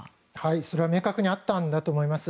それは明確にあったんだと思います。